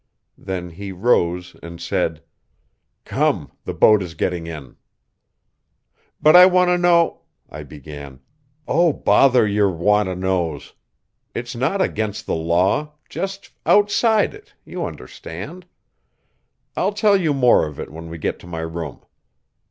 Then he rose and said: "Come, the boat is getting in." "But I want to know " I began. "Oh, bother your 'want to knows.' It's not against the law just outside it, you understand. I'll tell you more of it when we get to my room.